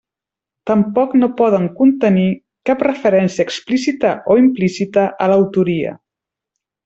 Tampoc no poden contenir cap referència explícita o implícita a l'autoria.